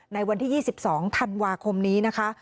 ในวันที่๒๒ธันวาคมนี้นะคะ